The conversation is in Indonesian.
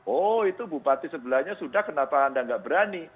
oh itu bupati sebelahnya sudah kenapa anda nggak berani